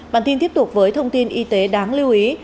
bản tin tiếp tục với thông tin y tế đáng lưu ý